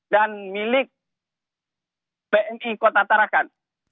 dan milik bni kota tarakan